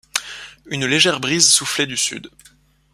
Une légère brise soufflait du sud.